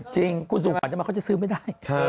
จริงคุณสู่ขวัญทำไมเขาจะซื้อไม่ได้